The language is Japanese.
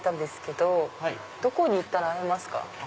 どこに行ったら会えますか？